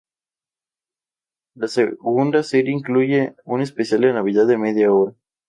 La segunda serie incluye un especial de Navidad de media hora.